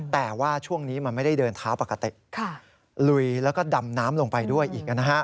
แต่ว่าช่วงนี้มันไม่ได้เดินเท้าปกติลุยแล้วก็ดำน้ำลงไปด้วยอีก